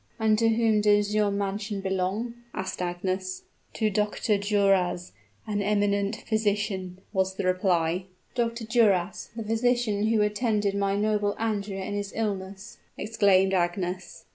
"And to whom does yon mansion belong?" asked Agnes. "To Dr. Duras, an eminent physician," was the reply. "Dr. Duras, the physician who attended my noble Andrea in his illness!" exclaimed Agnes.